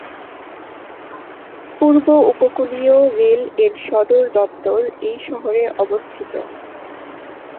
পূর্ব উপকূলীয় রেল এর সদর দপ্তর এই শহরে অবস্থিত।